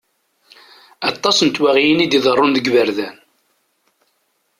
Aṭas n twaɣiyin i d-iḍerrun deg yiberdan.